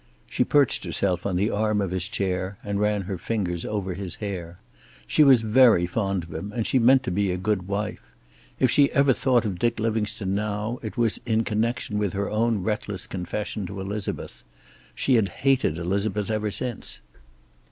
She perched herself on the arm of his chair, and ran her fingers over his hair. She was very fond of him, and she meant to be a good wife. If she ever thought of Dick Livingstone now it was in connection with her own reckless confession to Elizabeth. She had hated Elizabeth ever since.